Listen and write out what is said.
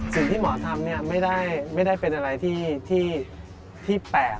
สิ่งที่หมอทำไม่ได้เป็นอะไรที่แปลก